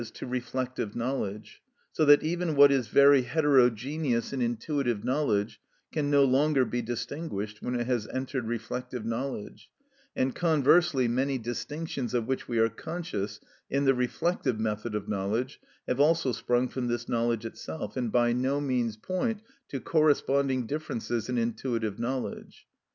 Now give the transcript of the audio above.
_, to reflective knowledge, so that even what is very heterogeneous in intuitive knowledge can no longer be distinguished when it has entered reflective knowledge, and conversely many distinctions of which we are conscious in the reflective method of knowledge have also sprung from this knowledge itself, and by no means point to corresponding differences in intuitive knowledge.